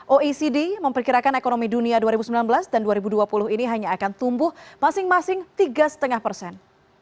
oecd memperkirakan ekonomi dunia dua ribu sembilan belas dan dua ribu dua puluh ini hanya akan tumbuh masing masing tiga lima persen